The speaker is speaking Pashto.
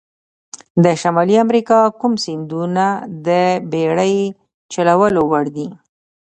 د شمالي امریکا کوم سیندونه د بېړۍ چلولو وړ دي؟